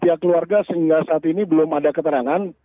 pihak keluarga sehingga saat ini belum ada keterangan